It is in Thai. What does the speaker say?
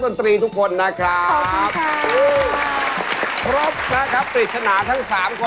ดีมากดีมาก